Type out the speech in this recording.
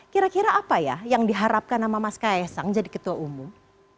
kira kira apa ya yang diharapkan sama mas kaisang jadi ketua umum